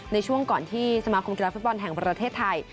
ในช่วงก่อนที่สมาคมกีฬาฟุตบอลแห่งประเทศไทย